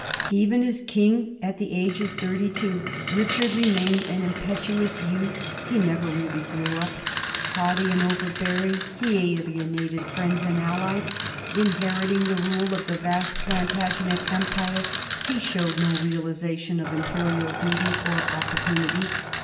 Even as king at the age of thirty two, Richard remained an impetuous youth ; he never really grew up. Haughty and overbear ing, he alienated friends and allies ; inheriting the rule of the vast Plantagenet empire, he showed no realization of imperial duty or opportunity.